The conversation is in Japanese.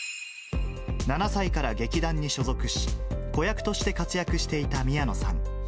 ７歳から劇団に所属し、子役として活躍していた宮野さん。